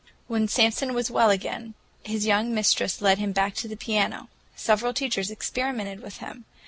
When Samson was well again, his young mistress led him back to the piano. Several teachers experimented with him.